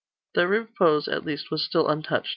Their repose, at least, was still untouched.